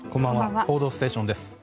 「報道ステーション」です。